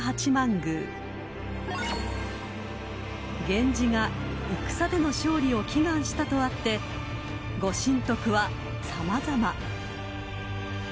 ［源氏が戦での勝利を祈願したとあって御神徳は様々］